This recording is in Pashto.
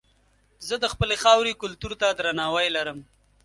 زه د خپلې خاورې کلتور ته درناوی لرم.